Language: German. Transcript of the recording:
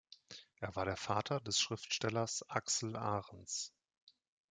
Er war der Vater des Schriftstellers Axel Arens.